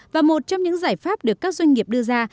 và một trong những giải pháp được các doanh nghiệp đưa ra